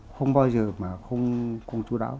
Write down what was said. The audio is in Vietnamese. không bao giờ mà không chú đáo